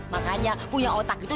makanya punya otak itu